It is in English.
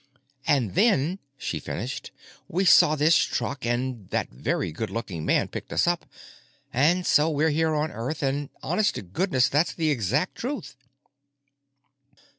"——And then," she finished, "we saw this truck, and that very good looking man picked us up. And so we're here on Earth; and, honest to goodness, that's the exact truth."